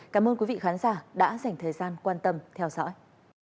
cảm ơn quý vị khán giả đã dành thời gian quan tâm theo dõi